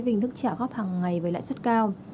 với hình thức trả góp hàng ngày với lãi suất cao